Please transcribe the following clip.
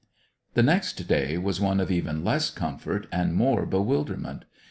The next day was one of even less comfort and more bewilderment.